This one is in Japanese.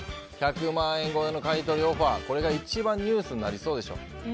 １００万円超えの買い取りオファーこれが一番ニュースになりそうでしょ。